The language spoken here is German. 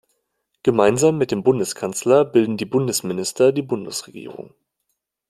Gemeinsam mit dem Bundeskanzler bilden die Bundesminister die Bundesregierung.